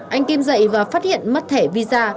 anh kim dậy và phát hiện mất thẻ visa